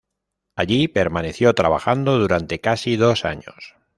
Allí permaneció trabajando durante casi dos años.